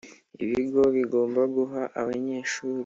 Ibigo bigomba guha abanyeshuri